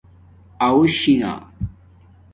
آݸشنگ